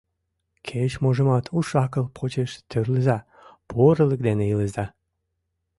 Кеч-можымат уш-акыл почеш тӧрлыза, порылык дене илыза!